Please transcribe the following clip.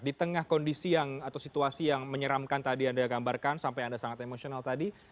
di tengah kondisi atau situasi yang menyeramkan tadi anda gambarkan sampai anda sangat emosional tadi